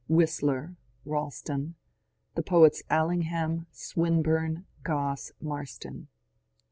Whistler, Ealstou ; the poets Allingham, Swinburne, Gosse, Marston.